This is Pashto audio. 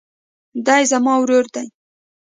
دی زما ورور دئ.